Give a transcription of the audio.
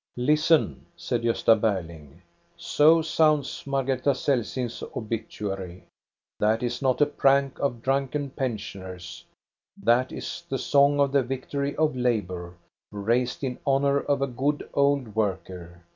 " Listen," said Gosta Berling, " so sounds Margareta Celsing's obituary! That is not a prank of dnmken pensioners ; that is the song of the victory of labor, raised in honor of a good, old worker.